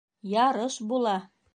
Ярыш була!..